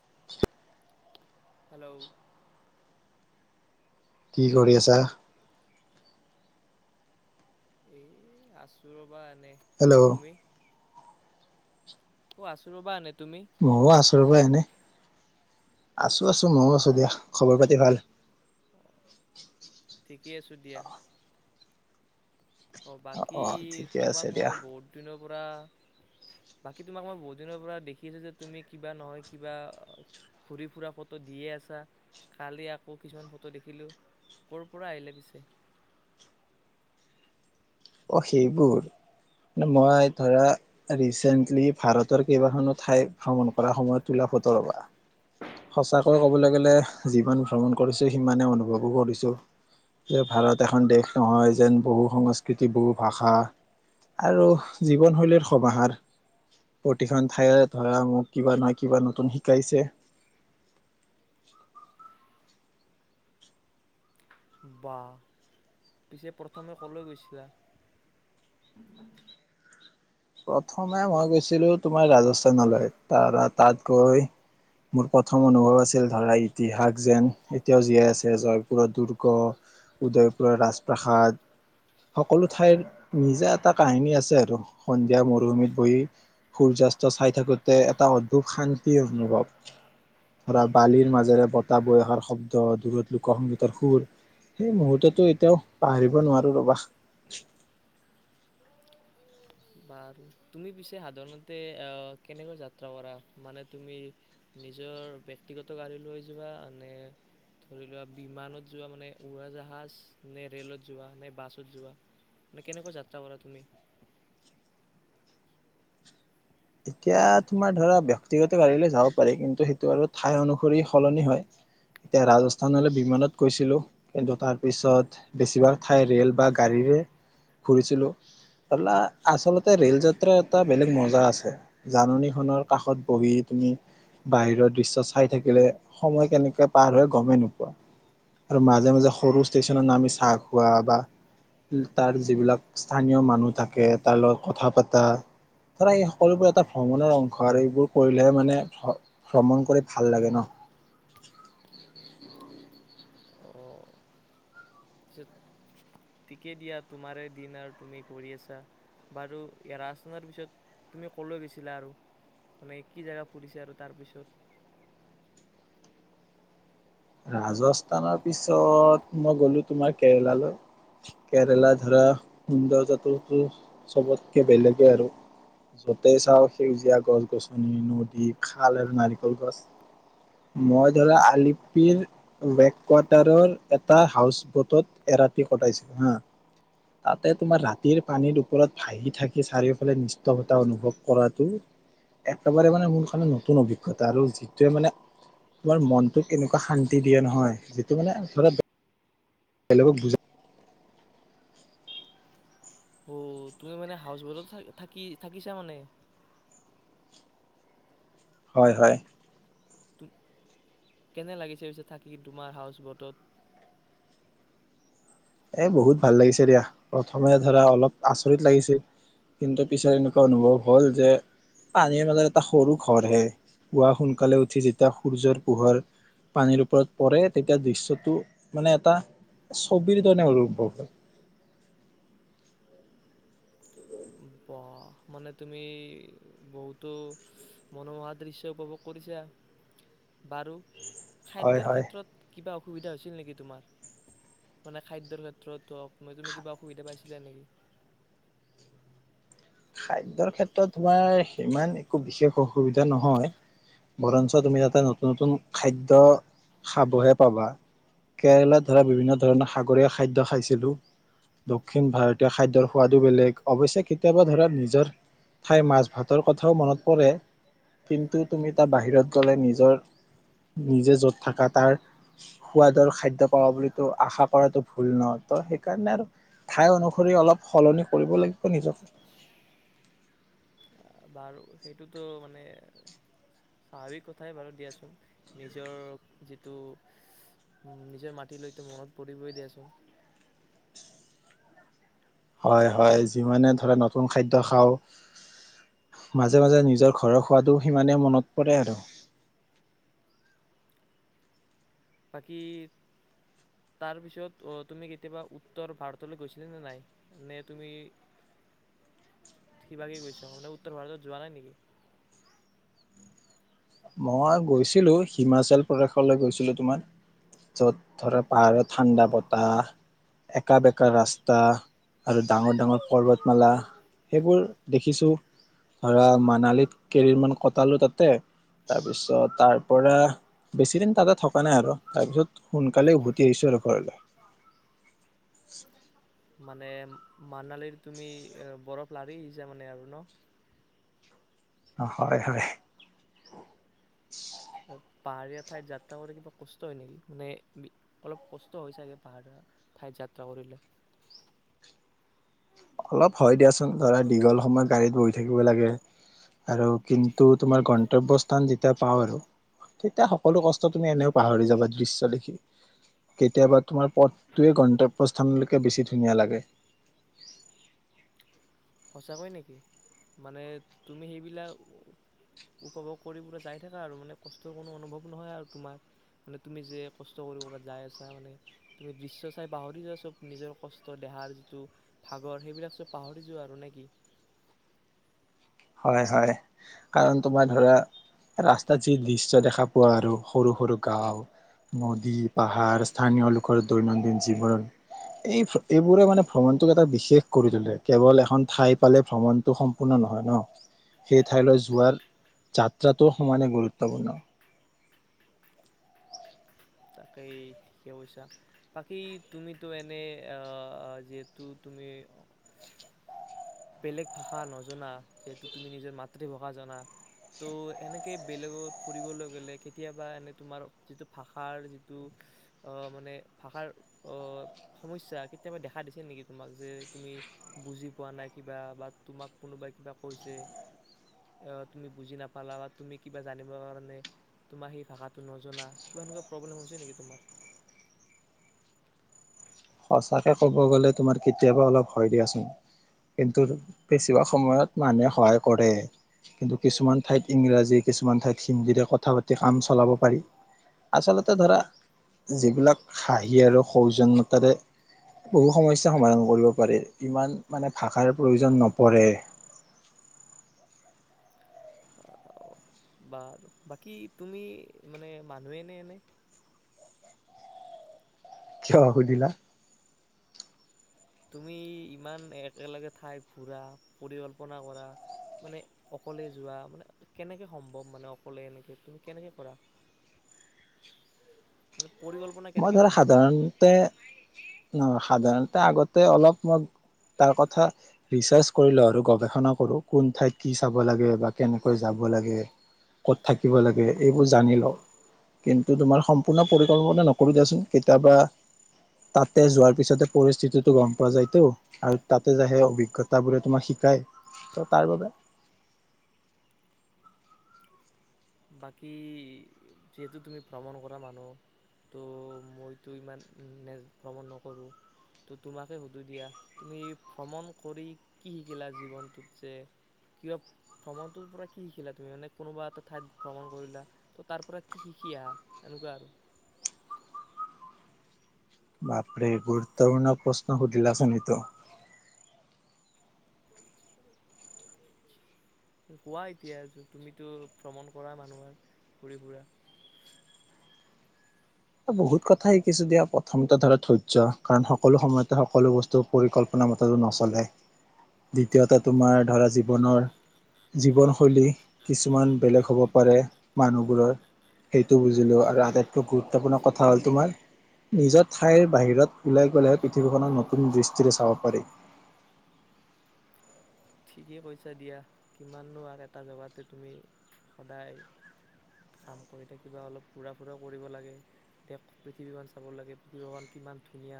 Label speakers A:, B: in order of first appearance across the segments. A: [unintelligible]
B: Hello.
A: কি কৰি আছা?
B: এ' আছো কিবা এনে
A: হেল্ল'
B: তুমি [inaudible] অ' আছো ৰ'বা এনে। তুমি
A: ময়ো আছোঁ ৰবা এনেই। আছো আছো ময়ো আছোঁ।
B: অঁ ঠিকেই আছো দিয়া। অঁ
A: অ
B: বাকী
A: অ ঠিকে
B: তোমাক
A: আছে
B: মই
A: দিয়া।
B: বহুত দিনৰ বাকী তোমাক মই বহুদিনৰ পৰা দেখিছোঁ যে তুমি কিবা নহয় কিবা ঘূৰি ফুৰা ফটো দিয়ে আছা, কালি আকৌ কিছুমান ফটো দেখিলোঁ ক'ৰ পৰা আহিলে পিছে?
A: অ সেইবোৰ ম মই ধৰা ৰিচেণ্টলি ভাৰতৰ কেইবাখনো ঠাই ভ্ৰমণ কৰাৰ সময়ত তোলা ফত ৰবা সঁচাকৈ কবলৈ গলে যিমান ভ্ৰমণ কৰিছো সিমানে অনুভৱো কৰিছো যে ভাৰত এখন দেশ নহয় যেন বহু সংস কৃতিবোৰ ভাষা আৰু জীৱনশৈলীৰ সমাহাৰ, প্ৰতিখন ঠাইত ধৰা মোক কিবা নহয় কিবা নতুন শিকাইছে।
B: বা পিছে প্ৰথমে ক'লৈ গৈছিলা?
A: প্ৰথমে
B: তুমি
A: মই গৈছিলোঁ তোমাৰ ৰাজস্থানলৈ তাৰ তাত গৈ মোৰ প্ৰথম অনুভৱ আছিল ধৰা ইতিহাস যেন এতিয়াও জীয়াই আছে জয়পুৰৰ দুৰ্গ উদয়পুৰৰ ৰাজপ্ৰসাদ সকলো ঠাইৰ নিজা এটা কাহিনী আছে আৰু। সন্ধিয়া মৰুভূমিত বহি সূৰ্যাস্ত চাই থাকোতে এটা অদ্ভুত শান্তি অনুভৱ, ধৰা বালিৰ মাজেৰে বতাহ বয়সাৰ শব্দ দূৰত লোক সংংগীতৰ সুৰ সেই মুহূৰ্ততো এতিয়াও পাহৰিব নোৱাৰো ৰবা।
B: বাৰু তুমি পিছে সাধাৰণতে কেনেকৈ যাত্ৰা কৰা, মানে তুমি নিজৰ ব্যক্তিগত গাড়ী লৈ যোৱা নে ধৰি লোৱা বিমানত যোৱা মানে উৰাজাহাজ নে ৰেলত যোৱা নে বাছত যোৱা মে কেনেকৈ যাত্ৰা কৰা তুমি?
A: এতিয়া তোমাৰ ধৰা ব্যক্তিগত গাড়ীলৈ যাব পাৰি কিন্তু সেইটো আৰু ঠাই অনুসৰি সলনি হয়, এতিয়া ৰাজস্থানলৈ বিমানত গৈছিলো কিন্তু তাৰ পিছত বেছিভাগ ঠাই ৰেল বা গাড়ীৰে ঘুৰিছিলো, আচলতে ৰেল যাত্ৰা এটা বেলেগ মজা আছে। জাননীখনৰ কাষত বহি তুমি বাহিৰৰ দৃশ্য চাই থাকিলে সময় কেনেকে পাৰ হৈ গমেই নোপোৱা, আৰু মাজে মাজে সৰু ষ্টেচনত নামি চাহ খোৱা বা তাৰ যিবিলাক স্থানীয় মানুহ থাকে তাৰ লগত কথা পতা ধৰা সকলোবোৰ এটা ভ্ৰমণৰ অংশ আৰু এইবোৰ কৰিলেহে মানে ভ্ৰমণ কৰি ভাল লাগে ন?
B: ঠিকে দিয়া তোমাৰে দিন আৰু তুমি ঘূৰি আছা বাৰু এৰাচাৰ পিছত তুমি কলৈ গৈছিলা আৰু মানে কি জেগা ফুৰিছা আৰু তাৰপিছত?
A: ৰাজস্থানৰ পিছত মই গলো তোমাৰ কেৰেলালৈ কেৰেলা ধৰা সৌন্দৰ্যটো চবতকে বেলেগেই আৰু য'তেই চাওঁ সেউজীয়া গছ গছনি নদী খাল আৰু নাৰিকল গছ, মই ধৰা আলি ৱেক কোৱাৰ্টাৰৰ এটা হাউচ বটত এৰাতি কটাইছিল হা তাতে তোমাৰ ৰাতিৰ পানীৰ ওপৰত ভাহি থাকি চাৰিওফালে নিষ্ঠভটা অনুভৱ কৰাটো একেবাৰে মানে মোৰ কাৰণে নতুন অভিজ্ঞতা আৰু যিটোৱে মানে তোমাৰ মনটোক এনেকুৱা শান্তি দিয়ে নহয় যিটো মানে ধৰা [unintelligible] বেলেগক বু
B: অ তুমি মানে হাউচ বটত থাকি থাকিছা মানে।
A: হয় হয়।
B: কেনে লাগিছে পিছে থাকি তোমাৰ হাউচ বটত।
A: এ বহুত ভাল লাগিছে দিয়া, প্ৰথমে ধৰা অলপ আচৰিত লাগিছিল। কিন্তু পিছে এনেকুৱা অনুভৱ হল যে পানীৰ মাজত এটা সৰু ঘৰহে পুৱা সোনকালে উঠি যেতিয়া সূৰ্যৰ পোহৰ পানীৰ ওপৰত পৰে, তেতিয়া দৃশ্যটো মানে এটা চ [unintelligible]
B: বা, মানে তুমি বহুতো মনোমোহা দৃশ্য উপভোগ কৰিছা, বাৰু
A: হয়
B: খাদ্যৰ
A: হয়
B: ক্ষেত্ৰত কিবা অসুবিধা হৈছিল নেকি তোমাৰ? মানে খাদ্যৰ ক্ষেত্ৰত হওক ম তুমি কিবা অসুবিধা পাইছিলা নেকি?
A: খাদ্যৰ ক্ষেত্ৰত তোমাৰ সিমান একো বিশেষ অসুবিধা নহয় বৰঞ্চ তুমি তাতে নতুন নতুন খাদ্য খাবহে পাবা। কেৰেলাত ধৰা বিভিন্ন ধৰণৰ সাগৰীয় খাদ্য খাইছিলো, দক্ষিণ ভাৰতীয় খাদ্যৰ সোৱাদো বেলেগ, অৱশ্যে কেতিয়াবা ধৰা নিজৰ ঠাই মাছ ভাতৰ কথাও মনত পৰে কিন্তু তুমি তাৰ বাহিৰত গ'লে নিজৰ নিজে য'ত থকা তাৰ সোৱাদৰ খাদ্য পাব বুলি আশা কৰাটো ভুল নহ, ত সেইকাৰণে আৰু ঠাই অনুসৰি অলপ সলনি কৰিব লাগিব নিজকে।
B: বাৰু সেইটোতো মানে স্বাভাৱিক কথাই বাৰু দিয়াচোন, নিজৰ যিটো নিজৰ মাটিলৈতো মনত পৰিবই দিয়াচোন।
A: হয় হয়, যিমানে ধৰা নতুন খাদ্য খাও, মাজে মাজে নিজৰ ঘৰৰ খোৱাদটো সিমানে মনত পৰে আৰু।
B: বাকী তাৰ পিছত আহ তুমি কেতিয়াবা উত্তৰ ভাৰতলৈ গৈছিলা নে নাই? নে তুমি কিবাগে গৈছা মানে উত্তৰ ভাৰতত যোৱা নাই নেকি?
A: মই গৈছিলো, হিমাচল প্ৰদেশলৈ গৈছিলো তোমাৰ য'ত ধৰা পাহাৰত ঠাণ্ডা
B: অঁ
A: বতাহ। একা বেকা ৰাস্তা আৰু ডাঙৰ ডাঙৰ পৰ্বত মালা, সেইবোৰ দেখিছো, ধৰা মানালীত কেৰিৰ মান কটালো তাতে। তাৰপিছত তাৰ পৰা বেছি দিন তাতে থকা নাই আৰু তাৰ পিছত সোনকালে উভতি আহিছো আৰু ঘৰলৈ।
B: মানে মানালীৰ তুমি বৰফ লাৰি আহিছা মানে আৰু ন
A: হয়, হয়। [unintelligible]
B: পাহাৰীয়া ঠাইত যাত্ৰা কৰি কিবা কষ্ট হয় নেকি, মানে অলপ কষ্ট হৈ ছাগে পাহাৰীয়া ঠাইত যাত্ৰা কৰিলে।
A: অলপ হয় দিয়াচোন। ধৰা
B: কিবা
A: দীঘল সময়ৰ গাড়ীত বহি। থাকিব লাগে আৰু কিন্তু তোমাৰ গন্তব্যস্থান যেতিয়া পাওঁ আৰু তেতিয়া সকলো কষ্ট তুমি এনেও পাহৰি যাবা দৃশ্য দেখি কেতিয়াবা তোমাৰ পথটোৱে গন্তব্যস্থানলৈকে বেছি ধুনীয়া লাগে।
B: সঁচাকৈ নেকি মানে তুমি সেইবিলাক উপভোগ কৰি পুৰা যায় থাকা আৰু মানে কষ্টৰ কোনো অনুভৱ নহয় আৰু তোমাৰ মানে তুমি যে কষ্ট কৰি ক'বাত যায় আছা, মানে তুমি দৃশ্য চাই পাহৰি যোৱা সব নিজৰ কষ্ট দেহাৰ যিটো ভাগৰ সেইবিলাক চব পাহৰি যোৱা। আৰু নেকি
A: হয়, হয় কাৰণ তোমাৰ ধৰা ৰাস্তাত যি দৃশ্য দেখা পোৱা আৰু সৰু সৰু গাও নদী পাহাৰ স্থানীয় লোকৰ দৈনন্দিন জীৱন এই এইবোৰে মানে ভ্ৰমণটোক এটা বিশেষ কৰি তোলে কেৱল এখন ঠাই পালে ভ্ৰমণতটো সম্পূৰ্ণ নহয় ন। সেই ঠাইলৈ যোৱাৰ যাত্ৰাটো সমানে গুৰুত্বপূৰ্ণ।
B: তাকেই ঠিকে কৈছা বাকী তুমিতো এনেই যিহেতু তুমি বেলেগ ভাষা নজনা যিহেতু তুমি নিজৰ মাতৃভাষা জনা ত' এনেকৈ বেলেগত ফুৰিবলৈ গ'লে কেতিয়াবা এনে তোমাৰ যিটো ভাষাৰ যি মানে ভাষাৰ সমস্যা কেতিয়াবা দেখা দিছে নেকি, তোমাক যে তুমি বুজি পোৱা নাই কিবা বা তোমাক কোনোবাই কিবা কৈছে তুমি বুজি নাপালা বা তুমি কিবা জানিবৰ কাৰণে তোমাক সেই ভাষাটো নজনা কিবা তোমাৰ প্ৰব্লেম হৈছে নেকি তোমাৰ
A: সঁচাকে ক'ব গ'লে তোমাৰ কেতিয়াবা অলপ হয় দিয়াচোন কিন্তু বেছিভাগ সময়ত মানুহে সহায় কৰে কিন্তু কিছুমান ঠাইত ইংৰাজী কিছুমান ঠাইত হিন্দীৰে কথা পাতি কাম চলাব পাৰি আচলতে ধৰা যিবিলাক হাঁহি আৰু সৌজ তাতে বহু সমস্যা সমাধান কৰিব পাৰি ইমান মানে ভাষাৰ প্ৰয়োজন নপৰে।
B: বাৰ বাকী তুমি মানে মানুহে নে এনে
A: কিয় সুধিলা?
B: তুমি ইমান একেলগে ঠাই ঘুৰা পৰিকল্পনা কৰা মানে অকলে যোৱা মানে কেনেকে সম্ভৱ মানে অকলে এনেকে তুমি কেনেকে কৰা। উ'ম
A: মই ধৰা সাধাৰণতে নহ সাধাৰণতে আগতে অলপ তাৰ কথা ৰিচাৰ্জ কৰি লওঁ আৰু গৱেষণা কৰো কোন ঠাইত কি চাব লাগে বা কেনেকৈ যাব লাগে ক'ত থাকিব লাগে, এইবোৰ জানি লওঁ কিন্তু তোমাৰ সম্পূৰ্ণ পৰিকল্পনা নক নকৰো দিয়াচোন কেতিয়াবা তাতে যোৱাৰ পিছতে পৰিস্থিতিটো গম পোৱা যায়তো আৰু তাতে য সে অভিজ্ঞতাবোৰে তোমাক শিকাই ত তাৰ বাবে
B: বাকী যিহেতু তুমি ভ্ৰমণ কৰা মানুহ ত' মইতো ইমান ভ্ৰমণ নকৰো ত' তোমাকে সুধো দিয়া তুমি ভ্ৰমণ কৰি কি শিকিলা জীৱনটোত যে কিবা ভ্ৰমণটোৰ পৰা কি শিকিলা তুমি মানে কোনোবা এটা ঠাই ভ্ৰমণ কৰিলা ত তাৰ পৰা কি শিকি আহা এনেকুৱা আৰু
A: বাপৰে গুৰুত্বপূৰ্ণ প্ৰশ্ন সুধিলা চোন এইটো
B: কোৱা এতিয়া যোন তুমিতো ভ্ৰমণ কৰা মানুহ হয় ঘুৰি ফুৰা
A: বহুত কথা শিকিছো দিয়া প্ৰথমতে ধৰা ধৈৰ্য্য কাৰণ সকলো সময়তে সকলো বস্তু পৰিকল্পনা মতটো নচলে দ্বিতীয়তে তোমাৰ ধৰা
B: উম,
A: জীৱনৰ জীৱনশৈলী কিছুমান বেলেগ হ'ব পাৰে মানুহবোৰৰ সেইটো বুজিলোঁ আৰু আটাইতকৈ গুৰুত্ব গুৰুত্বপূৰ্ণ
B: আচ্ছা
A: কথা হ'ল তোমাৰ নিজৰ ঠাইৰ বাহিৰত ওলাই গলেহে পৃথিৱীখনৰ নতুন দৃষ্টিৰে চাব পাৰি।
B: ঠিকেই কৈছা দিয়া কিমাননো আৰু এটা জেগাতে তুমি সদায় কাম কৰি থাকিবা, অলপ ঘূৰা ফুৰাও কৰিব লাগে দেশ পৃথিৱীখন চাব লাগে পৃথিৱীখন কিমান ধুনীয়া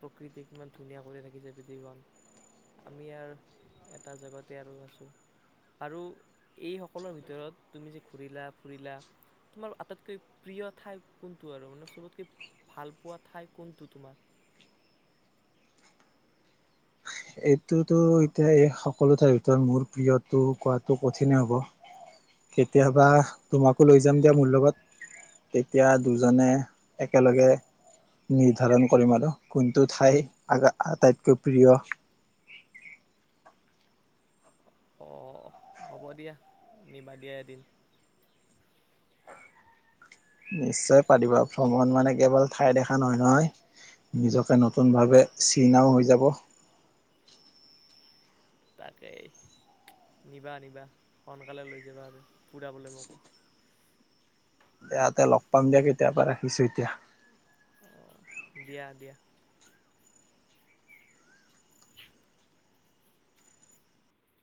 B: প্ৰকৃতি কিমান ধুনীয়া কৰি ৰাখিছে পৃথিৱীখন আমি আৰু এটা জগতে আৰু আছো আৰু এইসকলৰ ভিতৰত তুমি যে ঘূৰিলা ফুৰিলা তোমাৰ আটাইতকৈ প্ৰিয় ঠাই কোনটো আৰু মানে চবতকৈ ভাল পোৱা ঠাই কোনটো তোমাৰ
A: এইটোতো এতিয়া এই সকলো ঠাইৰ ভিতৰত মোৰ প্ৰিয়তটো কোৱাটো কঠিনে হ'ব, কেতিয়াবা তোমাকো লৈ যাম দিয়া মোৰ লগত তেতিয়া দুজনে একেলগে নিৰ্ধাৰণ কৰিম আৰু কোনটো ঠাই আটাইতকৈ প্ৰিয়।
B: অঁ হ'ব দিয়া নিবা দিয়া এদিন
A: নিশ্চয় পাৰিবা ভ্ৰমণ মানে কেৱল ঠাই দেখা নহয় নহয় নিজকে নতুন ভাৱে চিনাও হৈ যাব।
B: তাকে নিবা নিবা সোনকালে লৈ যাবা আৰু ফুৰাবলৈ মোকো
A: দিয়াতে লগ পাম দিয়া কেতিয়াবা ৰাখিছো এতিয়া।
B: অ', দিয়া, দিয়া। [unintelligible]